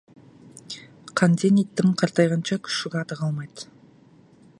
Қанден иттің қартайғанша күшік аты қалмайды.